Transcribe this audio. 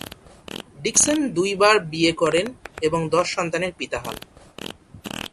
Dickson দুইবার বিয়ে করেন এবং দশ সন্তানের পিতা হন।